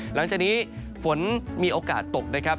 หลังจากนี้ฝนมีโอกาสตกนะครับ